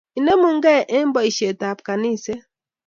Inemu kei eng boishet ab kaniset